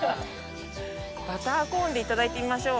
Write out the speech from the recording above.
バターコーンでいただいてみましょう。